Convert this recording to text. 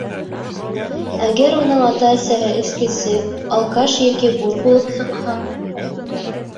Әгәр уның ата-әсәһе эскесе, алкаш йәки бур булып сыҡһа?